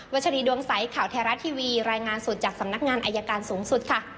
ชรีดวงใสข่าวไทยรัฐทีวีรายงานสดจากสำนักงานอายการสูงสุดค่ะ